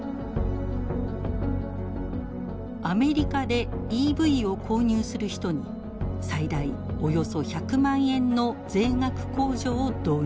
アメリカでＥＶを購入する人に最大およそ１００万円の税額控除を導入。